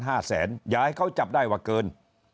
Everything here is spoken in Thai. อย่าให้เขาจับได้ว่าเกิน